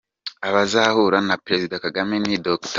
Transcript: Abazahura na Perezida Kagame ni Dr.